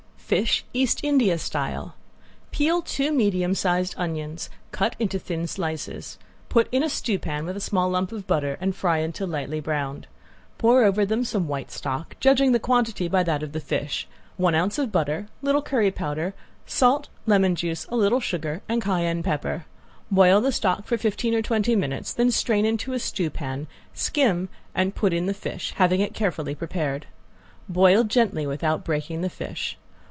~FISH, EAST INDIA STYLE~ Peel two medium sized onions, cut into thin slices. Put in a stewpan with a small lump of butter and fry until lightly browned. Pour over them some white stock, judging the quantity by that of the fish; one ounce of butter, little curry powder, salt, lemon juice, a little sugar, and cayenne pepper. Boil the stock for fifteen or twenty minutes, then strain into a stewpan, skim and put in the fish, having it carefully prepared. Boil gently, without breaking the fish.